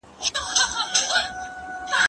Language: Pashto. هغه څوک چي بازار ته ځي سودا کوي.